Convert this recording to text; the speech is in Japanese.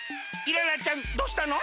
イララちゃんどうしたの？